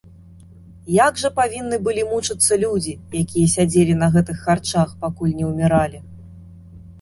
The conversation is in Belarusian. Як жа павінны былі мучыцца людзі, якія сядзелі на гэтых харчах, пакуль не ўміралі!